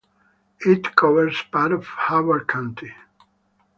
It covers part of Howard County.